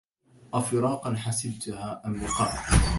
أفراقا حسبتها أم لقاء